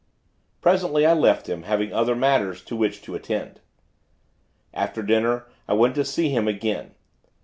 Presently, I left him, having other matters to which to attend. After dinner, I went to see him, again.